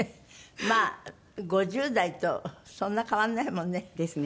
まあ５０代とそんな変わらないもんね。ですね。